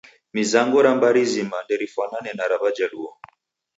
Mizango ra mbari zima nderifwanane na ra Wajaluo.